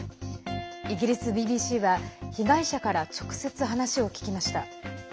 イギリスＢＢＣは被害者から直接話を聞きました。